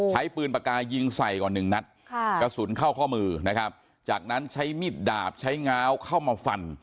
ใช้ปืนปากกายิงใส่ก่อนหนึ่งนัดกระสุนเข้าข้อมือนะครับจากนั้นใช้มีดดาบใช้ง้าวเข้ามาฟัน